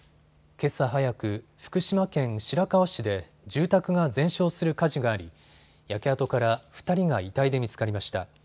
けさ早く、福島県白河市で住宅が全焼する火事があり焼け跡から２人が遺体で見つかりました。